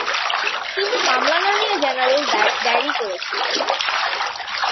কিন্তু মামলা না নিয়ে জেনারেল ডায়েরি করেছিল।